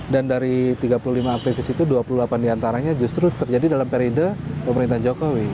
dan dari tiga puluh lima aktivis itu dua puluh delapan diantaranya justru terjadi dalam periode pemerintahan jokowi